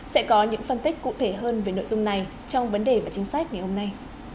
sẽ có những phân tích cụ thể hơn về nội dung này trong vấn đề và chính sách ngày hôm nay